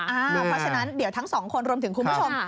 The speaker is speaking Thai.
เพราะฉะนั้นเดี๋ยวทั้งสองคนรวมถึงคุณผู้ชม